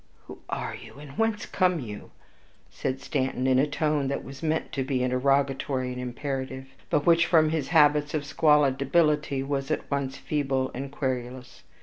"Who are you, and whence come you?" said Stanton, in a tone that was meant to be interrogatory and imperative, but which, from his habits of squalid debility, was at once feeble and querulous.